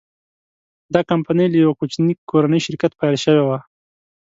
دا کمپنۍ له یوه کوچني کورني شرکت پیل شوې وه.